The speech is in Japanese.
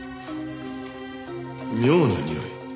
妙なにおい？